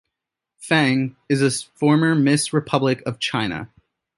Fang is a former Miss Republic of China.